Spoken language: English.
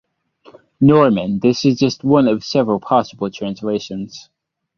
Norman, this is just one of several possible translations.